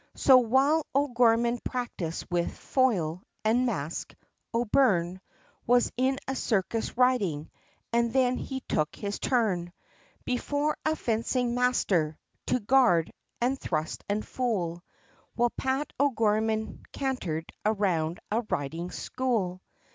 So while O'Gorman practised with foil, and mask. O'Byrne, Was in a circus riding, and then he took his turn, Before a fencing master, to guard, and thrust, and fool, While Pat O'Gorman, cantered around a riding school.